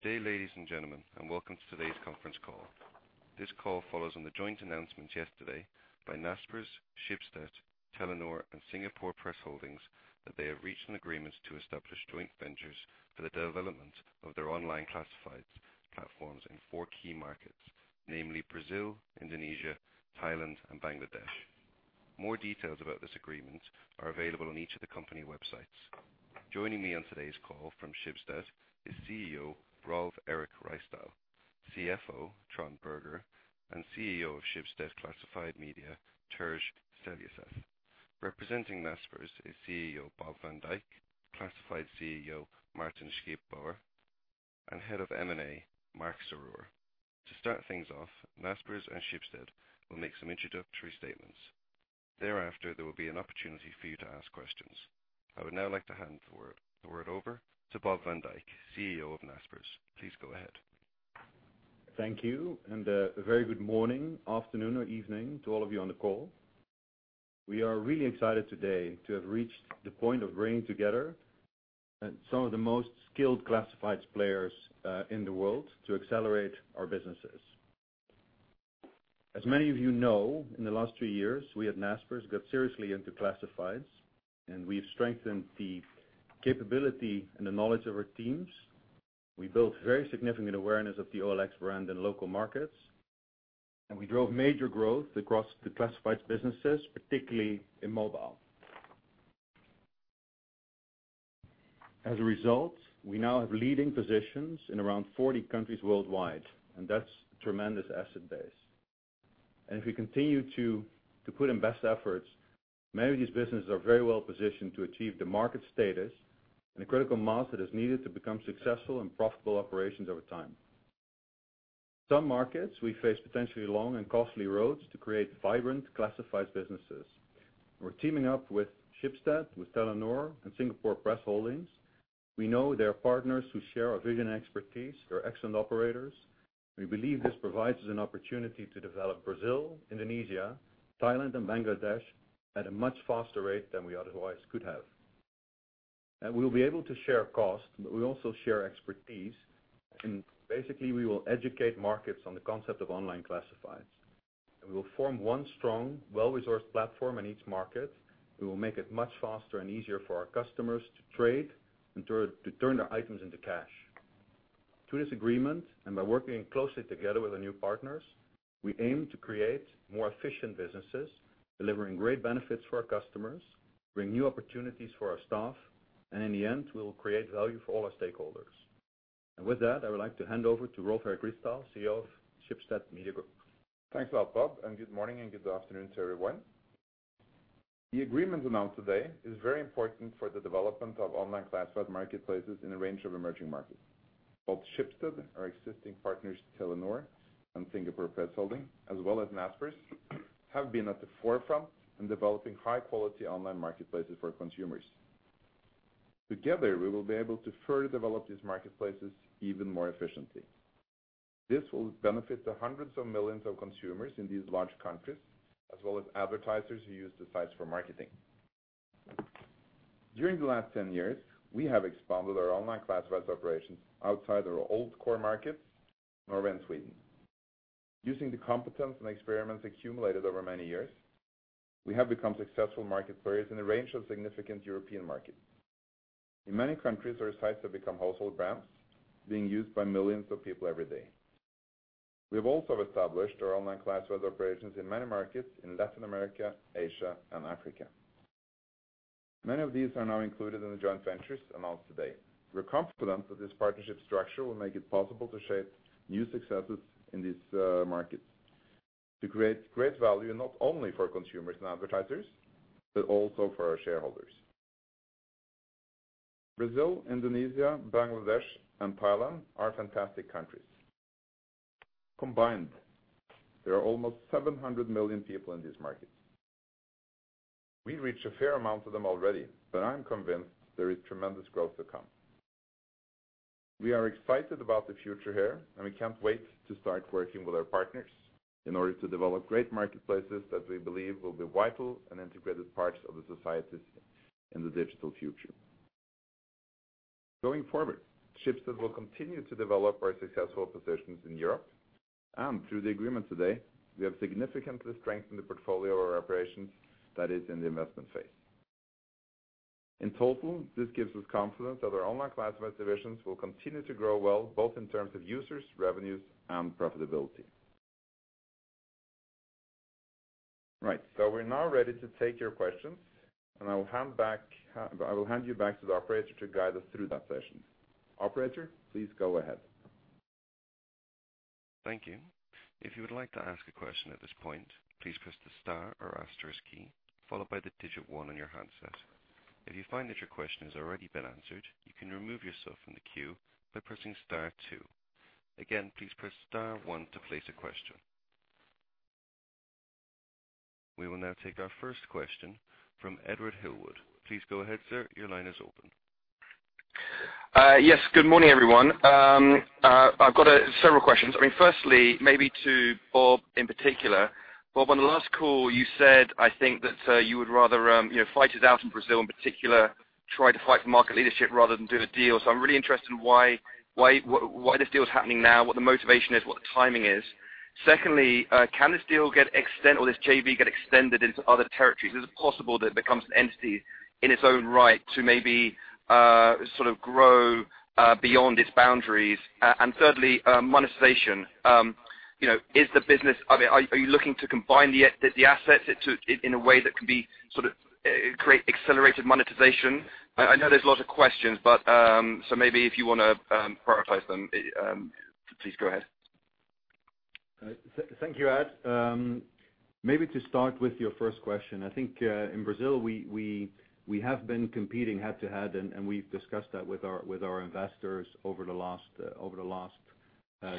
Good day, ladies and gentlemen, and welcome to today's conference call. This call follows on the joint announcement yesterday by Naspers, Schibsted, Telenor, and Singapore Press Holdings that they have reached an agreement to establish joint ventures for the development of their online classifieds platforms in four key markets, namely Brazil, Indonesia, Thailand, and Bangladesh. More details about this agreement are available on each of the company websites. Joining me on today's call from Schibsted is CEO Rolv Erik Ryssdal, CFO Trond Berger, and CEO of Schibsted Classified Media, Terje Seljeseth. Representing Naspers is CEO Bob van Dijk, Classified CEO Martin Scheepbouwer, and Head of M&A Mark Sorour. To start things off, Naspers and Schibsted will make some introductory statements. Thereafter, there will be an opportunity for you to ask questions. I would now like to hand the word over to Bob van Dijk, CEO of Naspers. Please go ahead. Thank you. A very good morning, afternoon, or evening to all of you on the call. We are really excited today to have reached the point of bringing together some of the most skilled classifieds players in the world to accelerate our businesses. As many of you know, in the last 3 years, we at Naspers got seriously into classifieds. We've strengthened the capability and the knowledge of our teams. We built very significant awareness of the OLX brand in local markets. We drove major growth across the classifieds businesses, particularly in mobile. As a result, we now have leading positions in around 40 countries worldwide. That's a tremendous asset base. If we continue to put in best efforts, many of these businesses are very well positioned to achieve the market status and the critical mass that is needed to become successful and profitable operations over time. Some markets we face potentially long and costly roads to create vibrant classifieds businesses. We're teaming up with Schibsted, with Telenor and Singapore Press Holdings. We know they are partners who share our vision and expertise. They're excellent operators. We believe this provides us an opportunity to develop Brazil, Indonesia, Thailand, and Bangladesh at a much faster rate than we otherwise could have. We will be able to share costs, but we also share expertise, and basically, we will educate markets on the concept of online classifieds. We will form one strong, well-resourced platform in each market. We will make it much faster and easier for our customers to trade and to turn their items into cash. Through this agreement and by working closely together with our new partners, we aim to create more efficient businesses, delivering great benefits for our customers, bring new opportunities for our staff, and in the end, we'll create value for all our stakeholders. With that, I would like to hand over to Rolv Erik Ryssdal, CEO of Schibsted Media Group. Thanks a lot, Bob. Good morning and good afternoon to everyone. The agreement announced today is very important for the development of online classified marketplaces in a range of emerging markets. Both Schibsted, our existing partners, Telenor and Singapore Press Holdings, as well as Naspers, have been at the forefront in developing high-quality online marketplaces for consumers. Together, we will be able to further develop these marketplaces even more efficiently. This will benefit the hundreds of millions of consumers in these large countries, as well as advertisers who use the sites for marketing. During the last 10 years, we have expanded our online classifieds operations outside our old core markets, Norway and Sweden. Using the competence and experiments accumulated over many years, we have become successful market players in a range of significant European markets. In many countries, our sites have become household brands being used by millions of people every day. We've also established our online classified operations in many markets in Latin America, Asia, and Africa. Many of these are now included in the joint ventures announced today. We're confident that this partnership structure will make it possible to shape new successes in these markets, to create great value not only for consumers and advertisers, but also for our shareholders. Brazil, Indonesia, Bangladesh, and Thailand are fantastic countries. Combined, there are almost 700 million people in these markets. We reach a fair amount of them already, but I'm convinced there is tremendous growth to come. We are excited about the future here. We can't wait to start working with our partners in order to develop great marketplaces that we believe will be vital and integrated parts of the societies in the digital future. Going forward, Schibsted will continue to develop our successful positions in Europe. Through the agreement today, we have significantly strengthened the portfolio of our operations that is in the investment phase. In total, this gives us confidence that our online classified divisions will continue to grow well, both in terms of users, revenues, and profitability. Right. We're now ready to take your questions, and I will hand you back to the Operator to guide us through that session. Operator, please go ahead. Thank you. If you would like to ask a question at this point, please press the Star or Asterisk key, followed by the digit 1 on your handset. If you find that your question has already been answered, you can remove yourself from the queue by pressing Star 2. Again, please press Star 1 to place a question. We will now take our first question from Edward Hill-Wood. Please go ahead, sir. Your line is open. Yes, good morning, everyone. I've got several questions. I mean, firstly, maybe to Bob in particular. Bob, on the last call, you said, I think that you would rather, you know, fight it out in Brazil in particular, try to fight for market leadership rather than do a deal. I'm really interested in why this deal is happening now, what the motivation is, what the timing is. Secondly, can this deal get extended into other territories? Is it possible that it becomes an entity in its own right to maybe sort of grow beyond its boundaries? Thirdly, monetization. You know, is the business. I mean, are you looking to combine the assets in a way that can be sort of create accelerated monetization? I know there's a lot of questions, so maybe if you wanna prioritize them, please go ahead. Thank you, Ad. Maybe to start with your first question. I think in Brazil, we have been competing head-to-head, and we've discussed that with our investors over the last over the last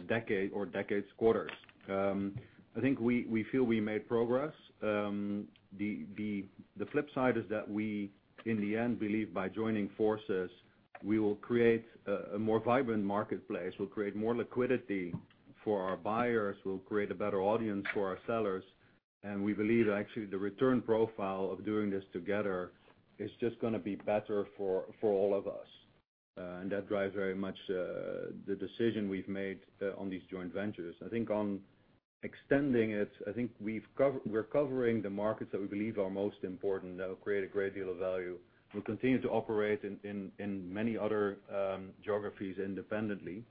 decade or decades quarters. I think we feel we made progress. The flip side is that we, in the end, believe by joining forces, we will create a more vibrant marketplace. We'll create more liquidity for our buyers. We'll create a better audience for our sellers. We believe actually the return profile of doing this together is just gonna be better for all of us. That drives very much the decision we've made on these joint ventures. I think on extending it, I think we're covering the markets that we believe are most important, that will create a great deal of value. We'll continue to operate in many other geographies independently.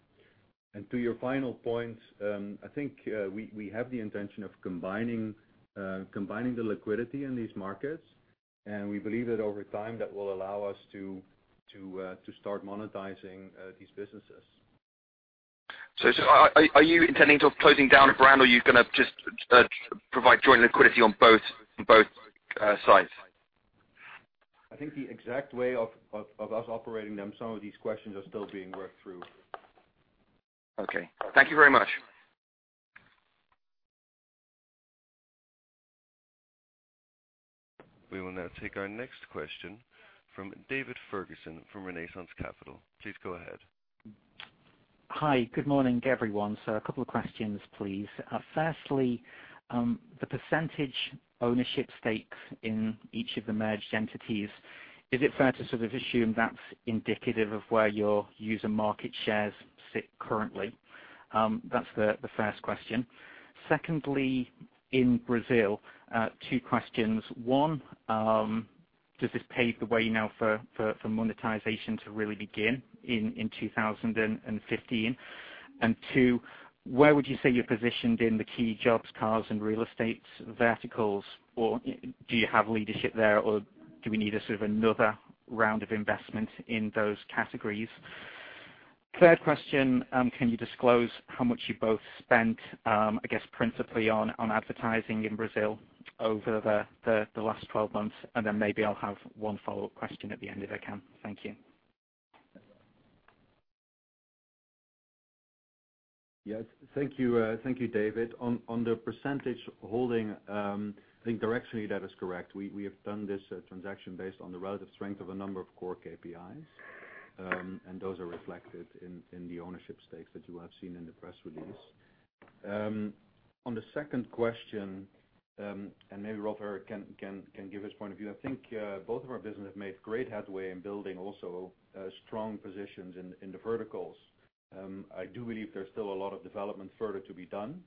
To your final point, I think we have the intention of combining the liquidity in these markets, and we believe that over time, that will allow us to start monetizing these businesses. Are you intending to closing down a brand or are you gonna just provide joint liquidity on both sides? I think the exact way of us operating them, some of these questions are still being worked through. Okay. Thank you very much. We will now take our next question from David Ferguson from Renaissance Capital. Please go ahead. A couple of questions, please. Firstly, the percentage ownership stakes in each of the merged entities, is it fair to sort of assume that's indicative of where your user market shares sit currently? That's the first question. Secondly, in Brazil, 2 questions. One, does this pave the way now for monetization to really begin in 2015? Two, where would you say you're positioned in the key jobs, cars, and real estates verticals, or do you have leadership there, or do we need a sort of another round of investment in those categories? Third question, can you disclose how much you both spent, I guess principally on advertising in Brazil over the last 12 months? Maybe I'll have one follow-up question at the end if I can. Thank you. Yes. Thank you. Thank you, David. On, on the percentage holding, I think directionally that is correct. We, we have done this transaction based on the relative strength of a number of core KPIs, and those are reflected in the ownership stakes that you have seen in the press release. On the second question, and maybe Rolf here can give his point of view. I think both of our business have made great headway in building also strong positions in the verticals. I do believe there's still a lot of development further to be done,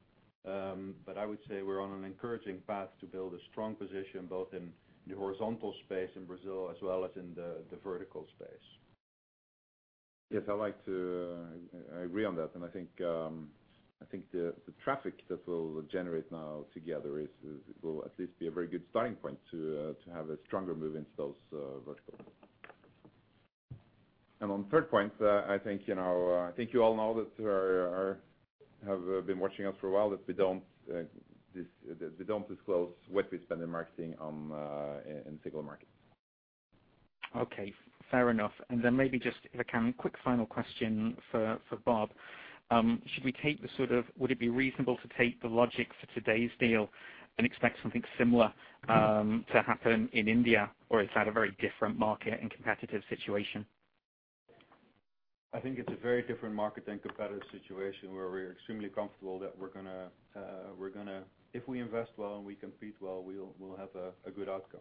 but I would say we're on an encouraging path to build a strong position both in the horizontal space in Brazil as well as in the vertical space. Yes, I agree on that. I think the traffic that we'll generate now together is will at least be a very good starting point to have a stronger move into those verticals. On third point, I think you know, I think you all know that our have been watching us for a while, that we don't disclose what we spend in marketing on in single markets. Okay, fair enough. Maybe just if I can, quick final question for Bob. Would it be reasonable to take the logic for today's deal and expect something similar to happen in India, or is that a very different market and competitive situation? I think it's a very different market and competitive situation where we're extremely comfortable that we're gonna, if we invest well and we compete well, we'll have a good outcome.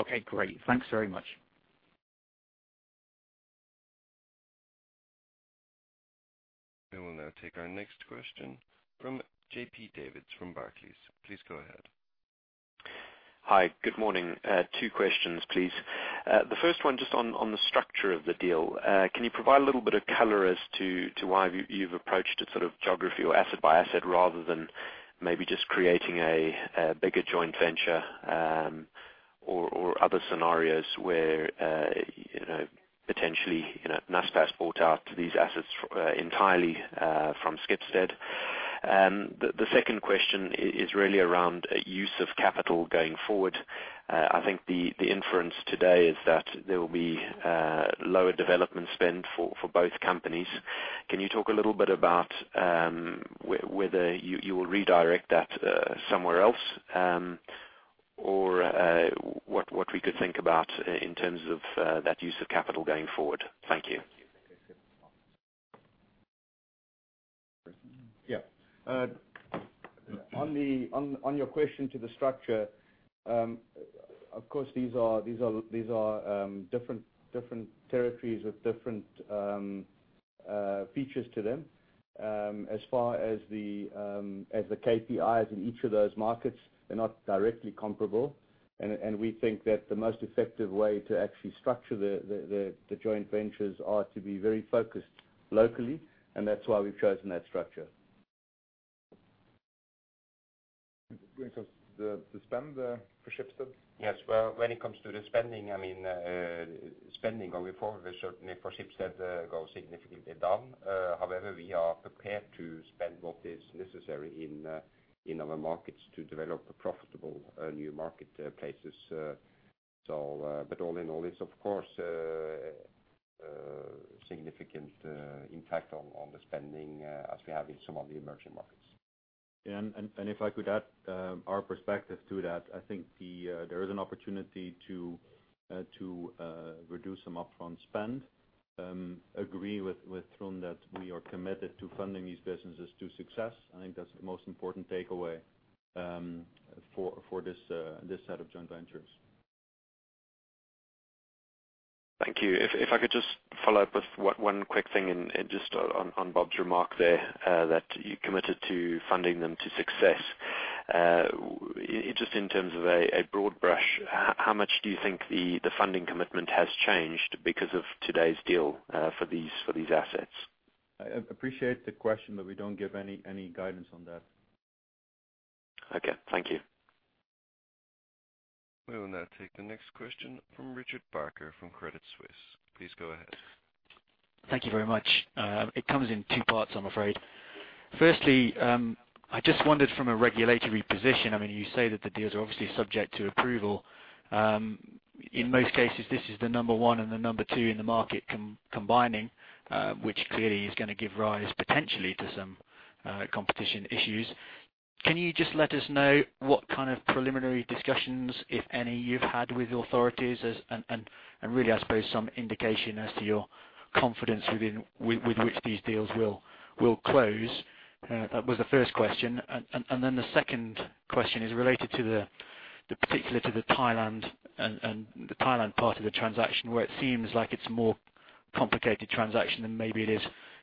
Okay, great. Thanks very much. We will now take our next question from JP Davids from Barclays. Please go ahead. Hi. Good morning. Two questions, please. The first one just on the structure of the deal. Can you provide a little bit of color as to why you've approached it sort of geography or asset by asset rather than maybe just creating a bigger joint venture or other scenarios where, you know, potentially, you know, Naspers bought out these assets entirely from Schibsted? The second question is really around use of capital going forward. I think the inference today is that there will be lower development spend for both companies. Can you talk a little bit about whether you will redirect that somewhere else or what we could think about in terms of that use of capital going forward? Thank you. Yeah. On your question to the structure, of course these are different territories with different features to them. As far as the KPIs in each of those markets, they're not directly comparable. We think that the most effective way to actually structure the joint ventures are to be very focused locally, and that's why we've chosen that structure. When it comes the spend for Schibsted? Well, when it comes to the spending, I mean, spending going forward certainly for Schibsted, goes significantly down. However, we are prepared to spend what is necessary in other markets to develop a profitable, new market, places. All in all, it's of course, significant impact on the spending, as we have in some of the emerging markets. If I could add our perspective to that, I think there is an opportunity to reduce some upfront spend, agree with Trond that we are committed to funding these businesses to success. I think that's the most important takeaway for this set of joint ventures. Thank you. If I could just follow up with one quick thing and just on Bob's remark there, that you're committed to funding them to success. Just in terms of a broad brush, how much do you think the funding commitment has changed because of today's deal, for these assets? I appreciate the question, but we don't give any guidance on that. Okay. Thank you. We will now take the next question from Richard Barker from Credit Suisse. Please go ahead. Thank you very much. It comes in 2 parts, I'm afraid. Firstly, I just wondered from a regulatory position, I mean, you say that the deals are obviously subject to approval. In most cases, this is the number 1 and the number 2 in the market combining, which clearly is gonna give rise potentially to some competition issues. Can you just let us know what kind of preliminary discussions, if any, you've had with the authorities as, and really, I suppose some indication as to your confidence with which these deals will close, was the first question. Then the second question is related to the particular to the Thailand and the Thailand part of the transaction where it seems like it's more complicated transaction than maybe it is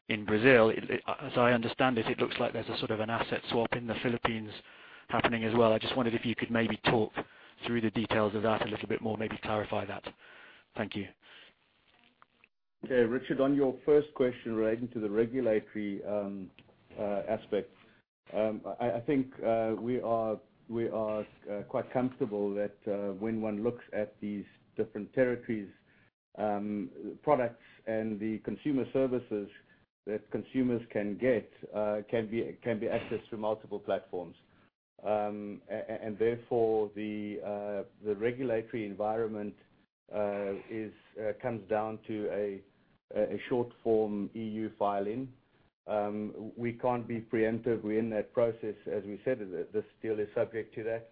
in Brazil. It, as I understand it looks like there's a sort of an asset swap in the Philippines happening as well. I just wondered if you could maybe talk through the details of that a little bit more, maybe clarify that. Thank you. Okay. Richard, on your first question relating to the regulatory aspect, I think we are quite comfortable that when one looks at these different territories' products and the consumer services that consumers can be accessed through multiple platforms. Therefore the regulatory environment is comes down to a short form EU filing. We can't be preemptive. We're in that process, as we said. This deal is subject to that.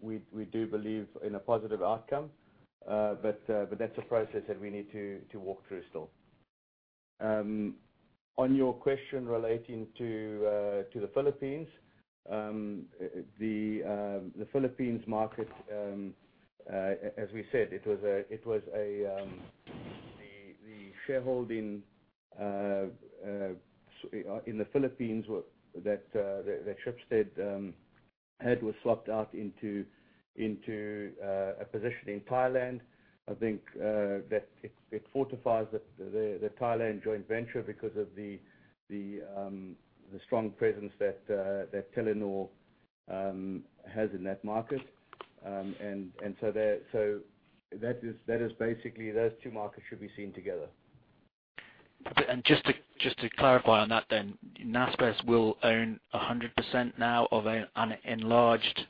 We do believe in a positive outcome. That's a process that we need to walk through still. On your question relating to the Philippines, the Philippines market, as we said, the shareholding, so, in the Philippines was, that Schibsted had, was swapped out into a position in Thailand. I think that it fortifies the Thailand joint venture because of the strong presence that Telenor has in that market. There, so that is basically those two markets should be seen together. Just to clarify on that then, Naspers will own 100% now of a, an enlarged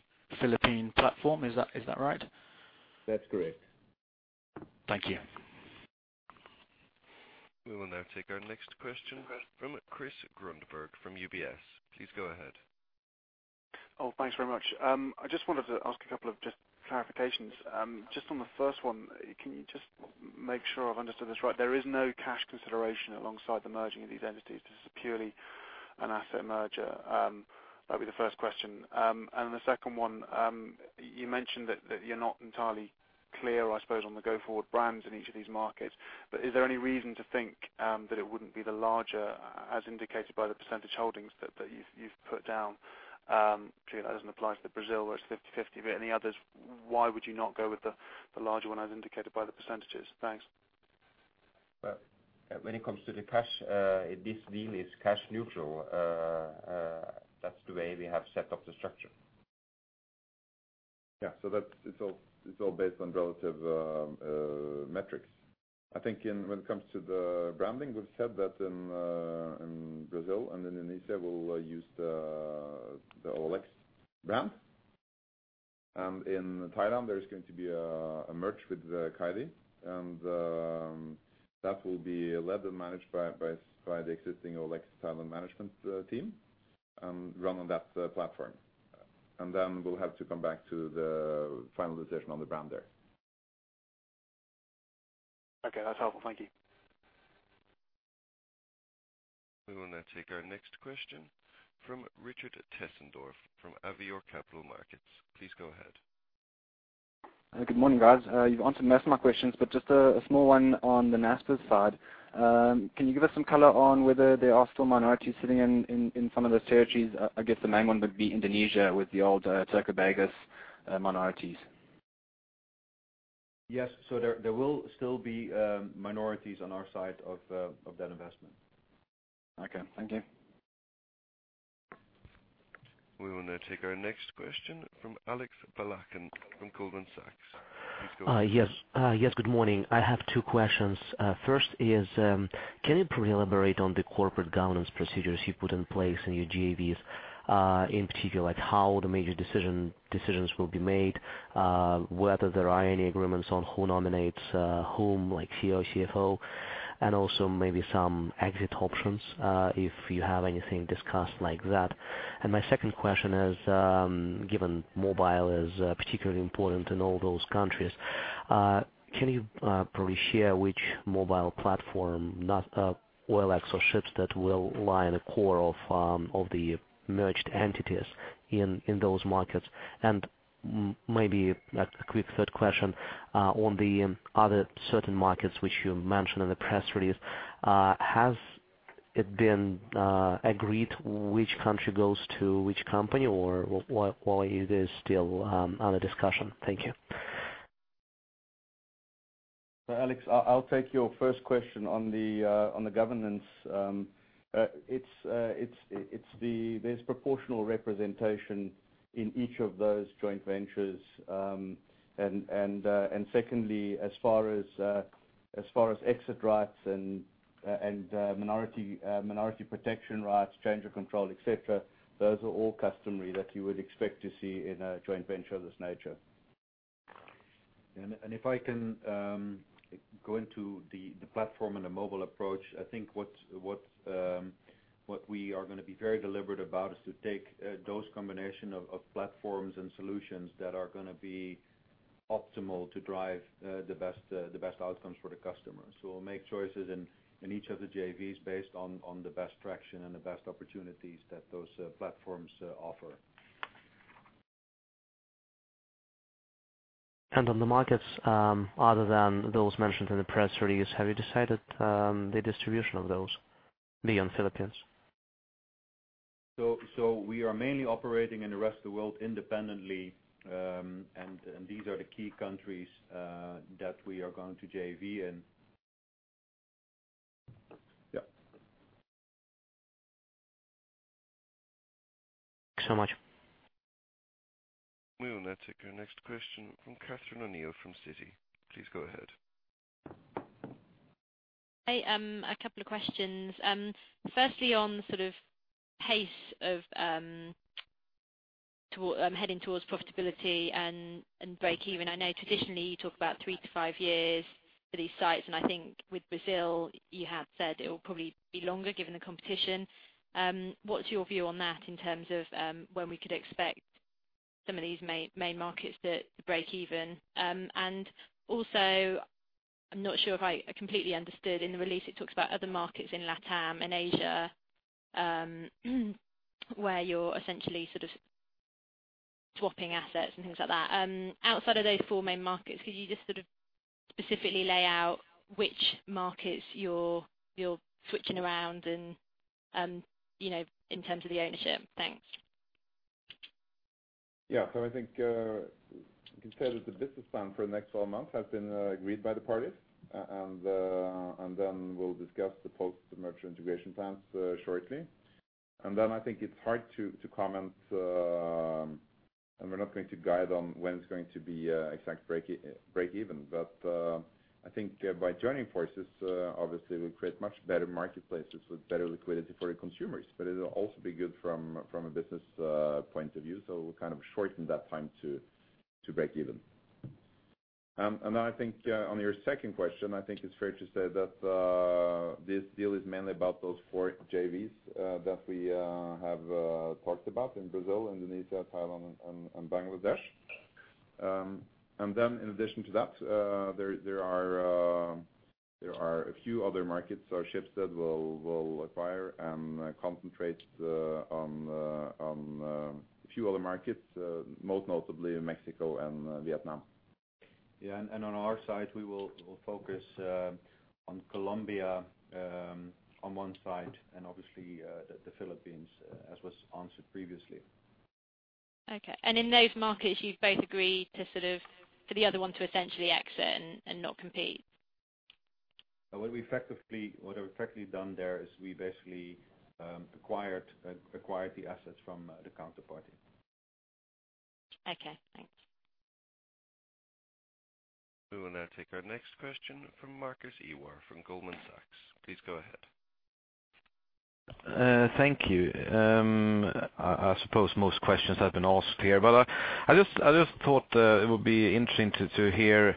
Philippine platform. Is that right? That's correct. Thank you. We will now take our next question from Chris Grundberg from UBS. Please go ahead. Oh, thanks very much. I just wanted to ask a couple of just clarifications. Just on the first one, can you just make sure I've understood this right? There is no cash consideration alongside the merging of these entities. This is purely an asset merger. That'll be the first question. The second one, you mentioned that you're not entirely clear, I suppose, on the go forward brands in each of these markets. Is there any reason to think that it wouldn't be the larger as indicated by the percentage holdings that you've put down, clearly that doesn't apply to Brazil, where it's 50/50, but any others, why would you not go with the larger one as indicated by the percentages? Thanks. Well, when it comes to the cash, this deal is cash neutral. That's the way we have set up the structure. Yeah. That's, it's all, it's all based on relative metrics. I think when it comes to the branding, we've said that in Brazil and Indonesia, we'll use the OLX brand. In Thailand, there's going to be a merge with Kaidee. That will be led and managed by the existing OLX Thailand management team and run on that platform. Then we'll have to come back to the final decision on the brand there. Okay, that's helpful. Thank you. We will now take our next question from Richard Tessendorf from Avior Capital Markets. Please go ahead. Good morning, guys. You've answered most of my questions. Just a small one on the Naspers side. Can you give us some color on whether there are still minorities sitting in some of those territories? I guess the main one would be Indonesia with the old Berniaga minorities. Yes. There will still be minorities on our side of that investment. Okay. Thank you. We will now take our next question from Alex Balakhnin from Goldman Sachs. Please go ahead. Yes. Yes, good morning. I have two questions. First is, can you elaborate on the corporate governance procedures you put in place in your JVs, in particular, like how the major decisions will be made, whether there are any agreements on who nominates whom, like CEO, CFO, and also maybe some exit options, if you have anything discussed like that. My second question is, given mobile is particularly important in all those countries, can you probably share which mobile platform, not OLX or Shpock that will lie in the core of the merged entities in those markets? Maybe a quick third question on the other certain markets which you mentioned in the press release, has it been agreed which country goes to which company or while it is still under discussion? Thank you. Alex, I'll take your first question on the governance. It's there's proportional representation in each of those joint ventures. Secondly, as far as exit rights and minority protection rights, change of control, et cetera, those are all customary that you would expect to see in a joint venture of this nature. If I can, go into the platform and the mobile approach, I think what we are gonna be very deliberate about is to take those combination of platforms and solutions that are gonna be optimal to drive the best outcomes for the customer. We'll make choices in each of the JVs based on the best traction and the best opportunities that those platforms offer. On the markets, other than those mentioned in the press release, have you decided the distribution of those beyond Philippines? We are mainly operating in the rest of the world independently, and these are the key countries that we are going to JV in. Yeah. Thanks so much. We will now take our next question from Catherine O'Neill from Citi. Please go ahead. Hey, a couple of questions. Firstly, on sort of pace of heading towards profitability and breakeven. I know traditionally you talk about 3-5 years for these sites, and I think with Brazil, you have said it will probably be longer given the competition. What's your view on that in terms of when we could expect some of these main markets to breakeven? Also, I'm not sure if I completely understood. In the release, it talks about other markets in LATAM and Asia, where you're essentially sort of swapping assets and things like that. Outside of those 4 main markets, could you just sort of specifically lay out which markets you're switching around and, you know, in terms of the ownership? Thanks. Yeah. I think you can say that the business plan for the next 12 months has been agreed by the parties. And then we'll discuss the post-merger integration plans shortly. I think it's hard to comment, and we're not going to guide on when it's going to be exact breakeven. I think by joining forces, obviously we create much better marketplaces with better liquidity for the consumers, but it'll also be good from a business point of view. We'll kind of shorten that time to breakeven. And I think on your second question, I think it's fair to say that this deal is mainly about those 4 JVs that we have talked about in Brazil, Indonesia, Thailand and Bangladesh. In addition to that, there are a few other markets or Shpock that we'll acquire and concentrate on a few other markets, most notably in Mexico and Vietnam. Yeah. On our side, we'll focus on Colombia on one side and obviously, the Philippines as was answered previously. Okay. In those markets, you've both agreed to sort of, for the other one to essentially exit and not compete? What we've effectively done there is we basically acquired the assets from the counterparty. Okay. Thanks. We will now take our next question from Marcus Iwar from Goldman Sachs. Please go ahead. Thank you. I suppose most questions have been asked here, I just thought it would be interesting to hear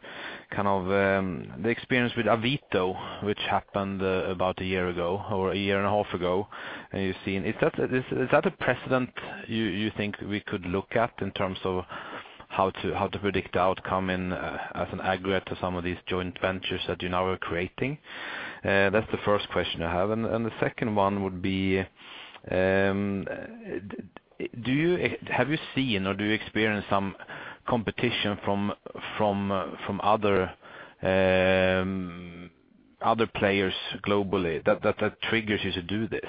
kind of the experience with Avito, which happened about a year ago or a year and a half ago. Is that a precedent you think we could look at in terms of how to predict the outcome as an aggregate to some of these joint ventures that you now are creating? That's the first question I have, and the second one would be, have you seen or do you experience some competition from other players globally that triggers you to do this?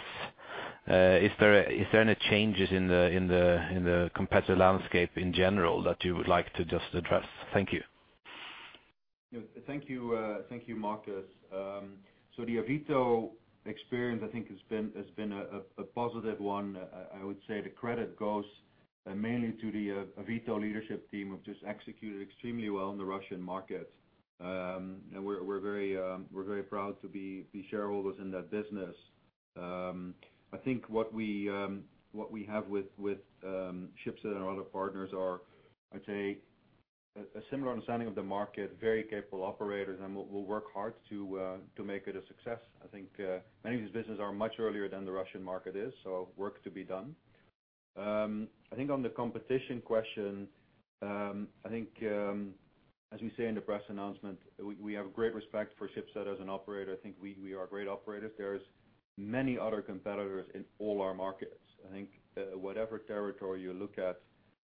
Is there any changes in the competitive landscape in general that you would like to just address? Thank you. Thank you. Thank you, Marcus. The Avito experience, I think has been a positive one. I would say the credit goes mainly to the Avito leadership team have just executed extremely well in the Russian market. We're very proud to be shareholders in that business. I think what we have with Schibsted and our other partners are, I'd say, a similar understanding of the market, very capable operators and we'll work hard to make it a success. I think many of these businesses are much earlier than the Russian market is, work to be done. I think on the competition question, I think as we say in the press announcement, we have great respect for Schibsted as an operator. I think we are great operators. There's many other competitors in all our markets. I think, whatever territory you look at,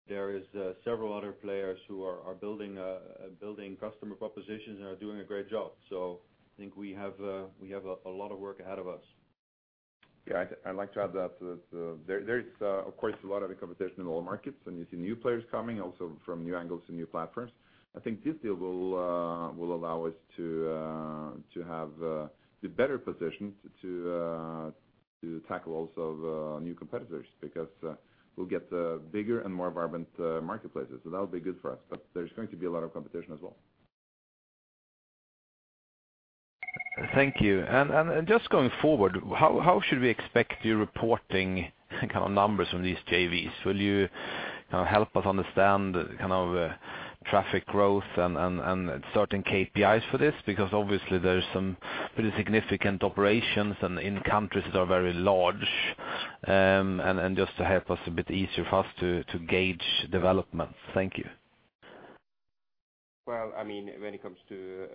there is, several other players who are building customer propositions and are doing a great job. I think we have a lot of work ahead of us. Yeah, I'd like to add that, there is, of course, a lot of competition in all markets, and you see new players coming also from new angles and new platforms. I think this deal will allow us to have the better position to tackle also the new competitors, because we'll get bigger and more vibrant marketplaces. That'll be good for us. There's going to be a lot of competition as well. Thank you. Just going forward, how should we expect your reporting kind of numbers from these JVs? Will you know, help us understand the kind of traffic growth and certain KPIs for this? Because obviously there's some pretty significant operations and in countries that are very large, and just to help us a bit easier for us to gauge development. Thank you. Well, I mean, when it comes to,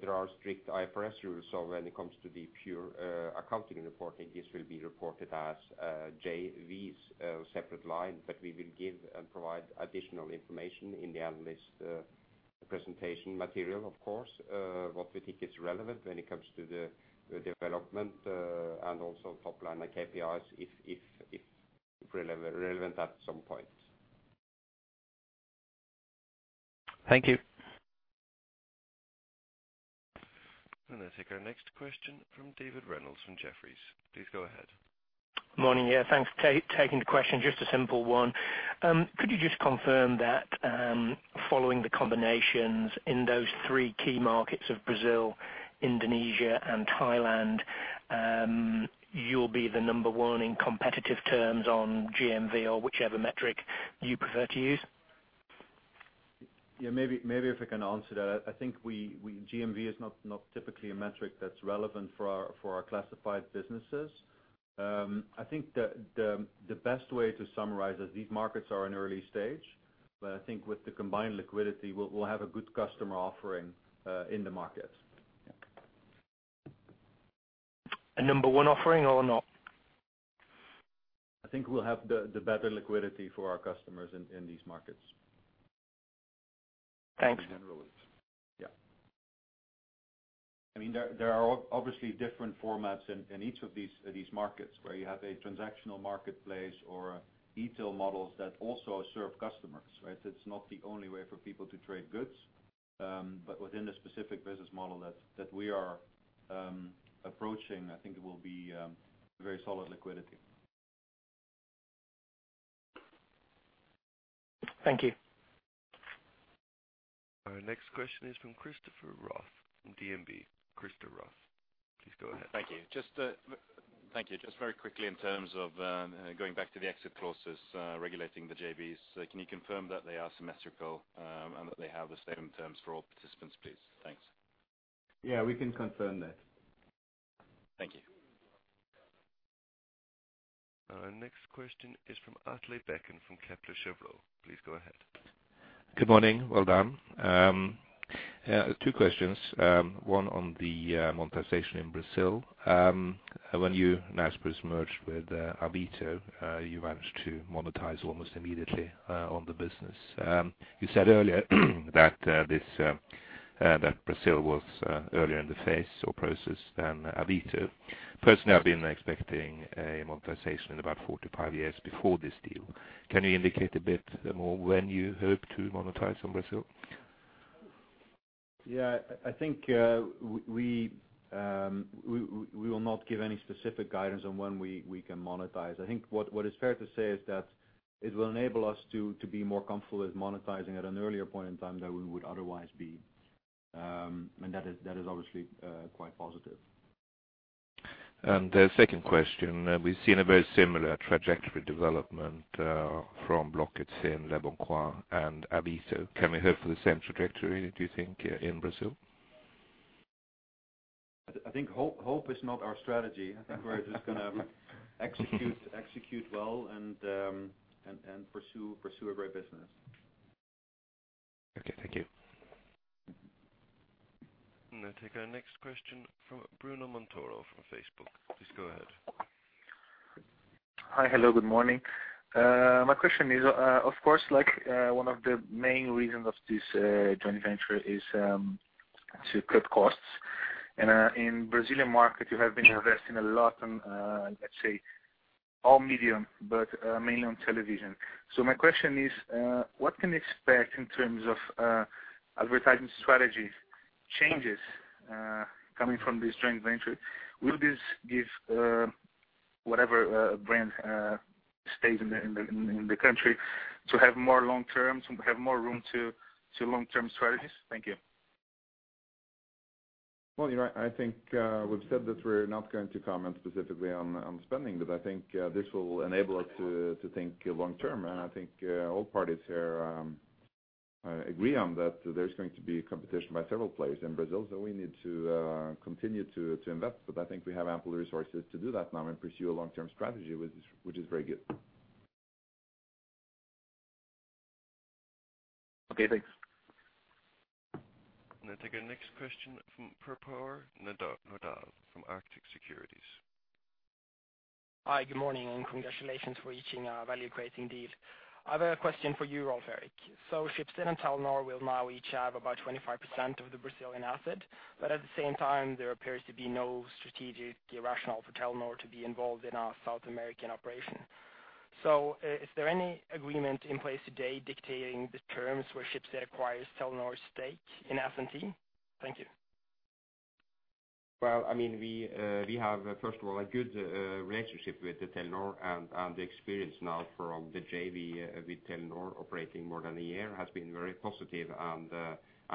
there are strict IFRS rules. When it comes to the pure, accounting reporting, this will be reported as JVs, separate line. We will give and provide additional information in the analyst, presentation material, of course, what we think is relevant when it comes to the development, and also top line KPIs if relevant at some point. Thank you. I take our next question from David Reynolds from Jefferies. Please go ahead. Morning. Yeah, thanks. taking the question, just a simple one. Could you just confirm that, following the combinations in those three key markets of Brazil, Indonesia, and Thailand, you'll be the number one in competitive terms on GMV or whichever metric you prefer to use? Maybe, maybe if I can answer that. I think we GMV is not typically a metric that's relevant for our classified businesses. I think the best way to summarize is these markets are an early stage, but I think with the combined liquidity, we'll have a good customer offering in the market. A number one offering or not? I think we'll have the better liquidity for our customers in these markets. Thanks. Generally. Yeah. I mean, there are obviously different formats in each of these markets where you have a transactional marketplace or e-tail models that also serve customers, right? It's not the only way for people to trade goods, but within the specific business model that we are approaching, I think it will be very solid liquidity. Thank you. Our next question is from Christer Roth from DNB. Christer Roth, please go ahead. Thank you. Just very quickly in terms of going back to the exit clauses regulating the JVs, can you confirm that they are symmetrical and that they have the same terms for all participants, please? Thanks. Yeah, we can confirm that. Thank you. Our next question is from Atle Bekken from Kepler Cheuvreux. Please go ahead. Good morning. Well done. Yeah, two questions. One on the monetization in Brazil. When you, Naspers merged with Avito, you managed to monetize almost immediately on the business. You said earlier that Brazil was earlier in the phase or process than Avito. Personally, I've been expecting a monetization in about 4-5 years before this deal. Can you indicate a bit more when you hope to monetize on Brazil? Yeah. I think we will not give any specific guidance on when we can monetize. I think what is fair to say is that it will enable us to be more comfortable with monetizing at an earlier point in time than we would otherwise be. That is obviously quite positive. The second question, we've seen a very similar trajectory development from Blocket in leboncoin and Avito. Can we hope for the same trajectory, do you think, in Brazil? I think hope is not our strategy. I think we're just gonna execute well and pursue a great business. Okay. Thank you. Now take our next question from Bruno Montoro from Facebook. Please go ahead. Hi. Hello, good morning. My question is, of course, like, one of the main reasons of this joint venture is to cut costs. In Brazilian market, you have been investing a lot on, let's say all medium but, mainly on television. My question is, what can we expect in terms of advertising strategies changes, coming from this joint venture? Will this give whatever brand stays in the country to have more long term, to have more room to long-term strategies? Thank you. Well, you know, I think, we've said that we're not going to comment specifically on spending, but I think, this will enable us to think long term. I think, all parties here, agree on that there's going to be competition by several players in Brazil, so we need to continue to invest. I think we have ample resources to do that now and pursue a long-term strategy, which is very good. Okay, thanks. Now take our next question from Per-Pål Nødland from Arctic Securities. Hi, good morning, and congratulations for reaching a value-creating deal. I have a question for you, Rolv Erik. Schibsted and Telenor will now each have about 25% of the Brazilian asset, but at the same time, there appears to be no strategic rationale for Telenor to be involved in a South American operation. Is there any agreement in place today dictating the terms where Schibsted acquires Telenor's stake in absentia? Thank you. Well, I mean, we have, first of all, a good relationship with Telenor, and the experience now from the JV with Telenor operating more than a year has been very positive.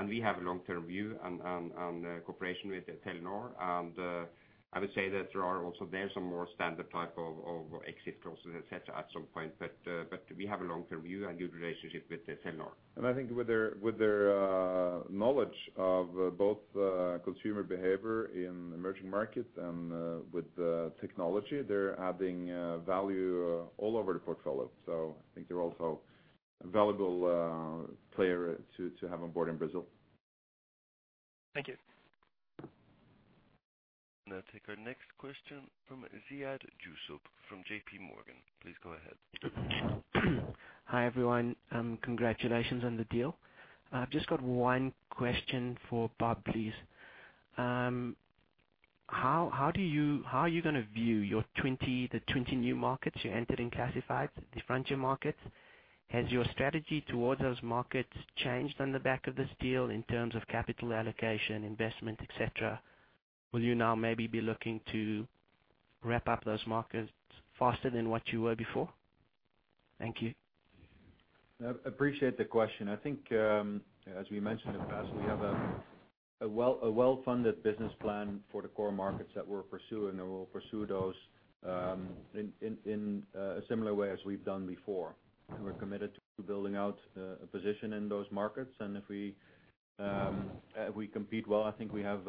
We have a long-term view and cooperation with Telenor. I would say that there are also there some more standard type of exit clauses, et cetera, at some point. We have a long-term view and good relationship with Telenor. I think with their knowledge of both, consumer behavior in emerging markets and, with the technology, they're adding value all over the portfolio. I think they're also a valuable player to have on board in Brazil. Thank you. Now take our next question from Ziad Sobh from JPMorgan. Please go ahead. Hi, everyone, congratulations on the deal. I've just got one question for Bob, please. How are you gonna view your 20 new markets you entered in classified, the frontier markets? Has your strategy towards those markets changed on the back of this deal in terms of capital allocation, investment, et cetera? Will you now maybe be looking to wrap up those markets faster than what you were before? Thank you. Appreciate the question. I think, as we mentioned in the past, we have a well-funded business plan for the core markets that we're pursuing. We'll pursue those in a similar way as we've done before. We're committed to building out a position in those markets. If we compete well, I think we have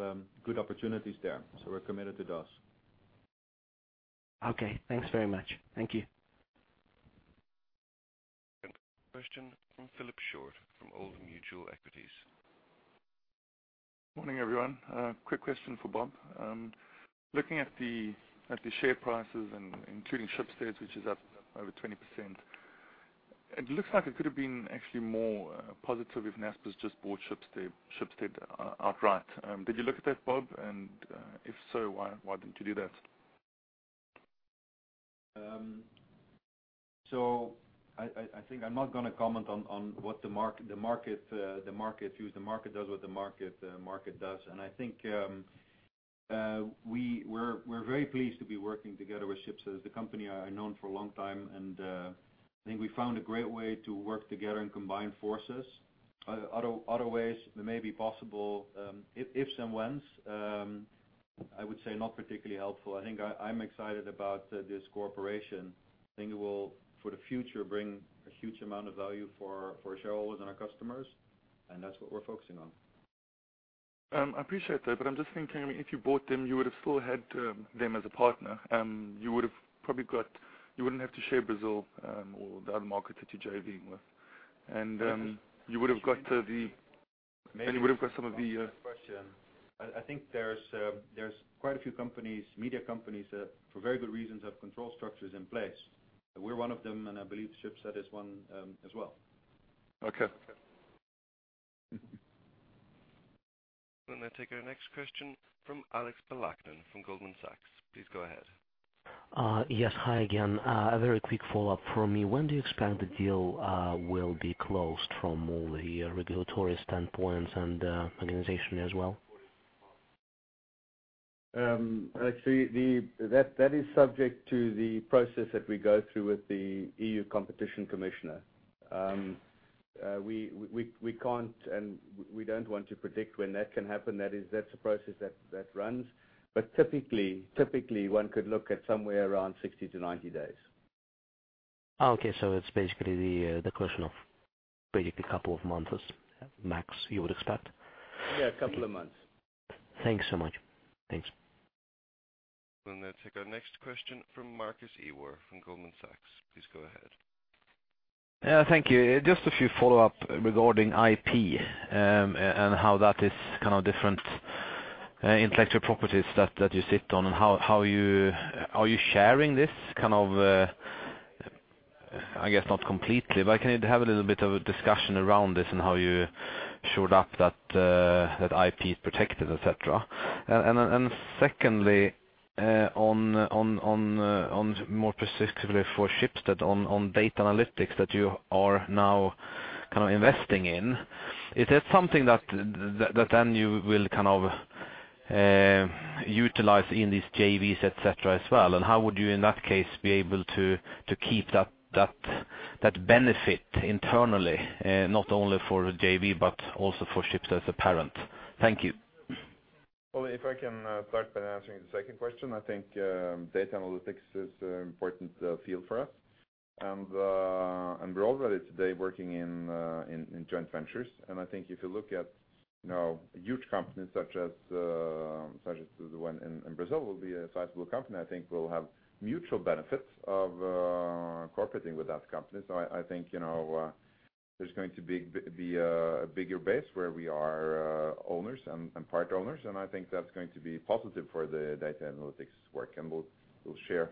good opportunities there. We're committed to those. Okay. Thanks very much. Thank you. Question from Philip Short from Old Mutual Equities. Morning, everyone. Quick question for Bob. Looking at the share prices and including Schibsted's, which is up over 20%, it looks like it could have been actually more positive if Naspers just bought Schibsted outright. Did you look at that, Bob? If so, why didn't you do that? I think I'm not gonna comment on what the market choose. The market does what the market does. I think we're very pleased to be working together with Schibsted. The company I've known for a long time, I think we found a great way to work together and combine forces. Other ways may be possible, ifs and whens, I would say not particularly helpful. I think I'm excited about this cooperation. I think it will, for the future, bring a huge amount of value for our shareholders and our customers, that's what we're focusing on. I appreciate that, I'm just thinking if you bought them, you would have still had them as a partner. You would have probably you wouldn't have to share Brazil or the other markets that you're JV-ing with. You would have got. Maybe you would have got some of the. I think there's quite a few companies, media companies, for very good reasons, have control structures in place. We're one of them. I believe Schibsted is one as well. Okay. We'll now take our next question from Alexander Balakhnin from Goldman Sachs. Please go ahead. Yes. Hi again. A very quick follow-up from me. When do you expect the deal will be closed from all the regulatory standpoints and organization as well? Actually, that is subject to the process that we go through with the EU Competition Commissioner. We can't, and we don't want to predict when that can happen. That's a process that runs. Typically, one could look at somewhere around 60 to 90 days. Okay. It's basically the question of predict a couple of months max you would expect? Yeah, a couple of months. Thanks so much. Thanks. We'll now take our next question from Marcus Iwar from Goldman Sachs. Please go ahead. Thank you. Just a few follow-up regarding IP, and how that is kind of different, intellectual properties that you sit on and how you. Are you sharing this kind of, I guess not completely. Can you have a little bit of a discussion around this and how you showed up that IP is protected, et cetera. Secondly, on more specifically for Schibsted on data analytics that you are now kind of investing in. Is that something that then you will kind of utilize in these JVs, et cetera, as well? How would you, in that case, be able to keep that benefit internally, not only for the JV, but also for Schibsted as a parent? Thank you. Well, if I can start by answering the second question. I think data analytics is an important field for us. We're already today working in joint ventures. I think if you look at, you know, huge companies such as the one in Brazil will be a sizable company, I think will have mutual benefits of cooperating with that company. I think, you know, there's going to be a bigger base where we are owners and part owners, and I think that's going to be positive for the data analytics work, and we'll share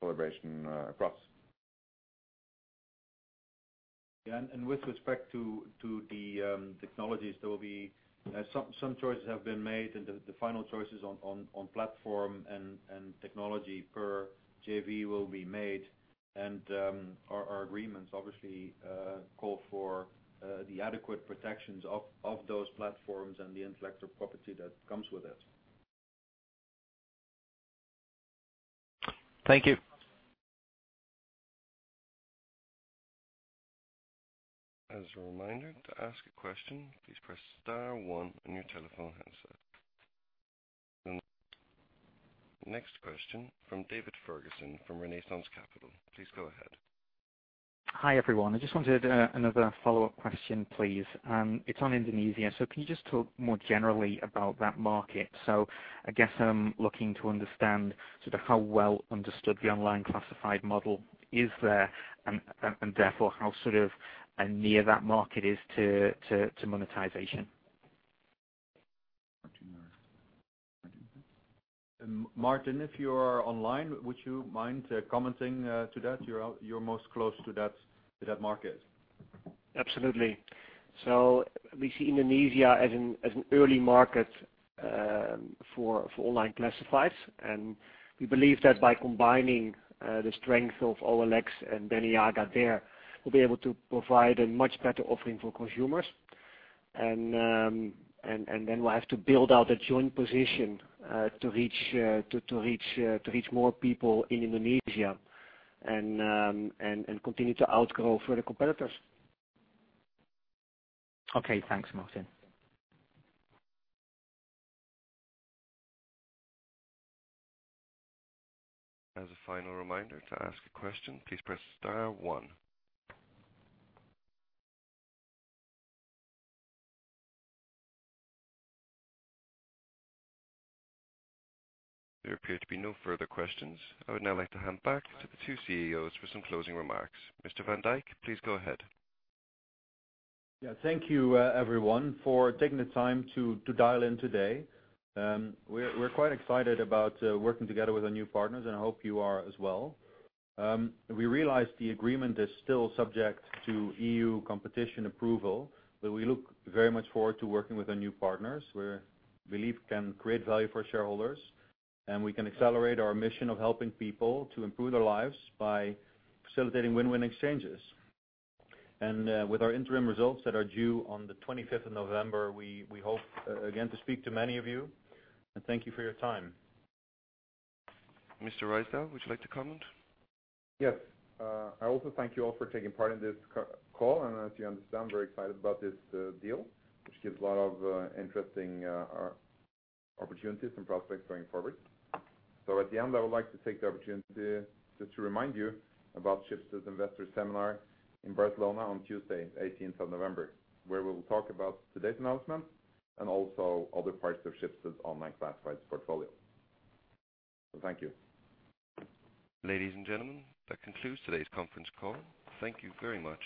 collaboration across. Yeah. With respect to the technologies, there will be some choices have been made, the final choices on platform and technology per JV will be made. Our agreements obviously call for the adequate protections of those platforms and the intellectual property that comes with it. Thank you. As a reminder to ask a question, please press star one on your telephone handset. Next question from David Ferguson from Renaissance Capital. Please go ahead. Hi, everyone. I just wanted another follow-up question, please. It's on Indonesia. Can you just talk more generally about that market? I guess I'm looking to understand sort of how well understood the online classified model is there, and therefore, how sort of near that market is to monetization. Martin, if you are online, would you mind commenting to that? You're most close to that market. Absolutely. We see Indonesia as an early market for online classifieds. We believe that by combining the strength of OLX and Berniaga there, we'll be able to provide a much better offering for consumers. Then we'll have to build out a joint position to reach more people in Indonesia and continue to outgrow further competitors. Okay. Thanks, Martin. As a final reminder, to ask a question, please press star one. There appear to be no further questions. I would now like to hand back to the two CEOs for some closing remarks. Mr. van Dijk, please go ahead. Thank you everyone, for taking the time to dial in today. We're quite excited about working together with our new partners, I hope you are as well. We realize the agreement is still subject to EU competition approval, we look very much forward to working with our new partners. We believe can create value for our shareholders, we can accelerate our mission of helping people to improve their lives by facilitating win-win exchanges. With our interim results that are due on the 25th of November, we hope again to speak to many of you and thank you for your time. Mr. Ryssdal, would you like to comment? Yes. I also thank you all for taking part in this call. As you understand, very excited about this deal, which gives a lot of interesting opportunities and prospects going forward. At the end, I would like to take the opportunity just to remind you about Schibsted Investor Seminar in Barcelona on Tuesday, eighteenth of November, where we'll talk about today's announcement and also other parts of Schibsted's online classifieds portfolio. Thank you. Ladies and gentlemen, that concludes today's conference call. Thank you very much.